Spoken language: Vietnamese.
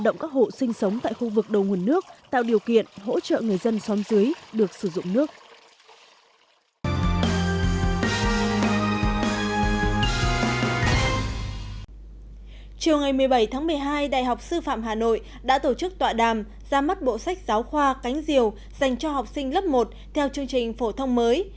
bộ sách giáo khoa cánh diều dành cho học sinh lớp một theo chương trình phổ thông mới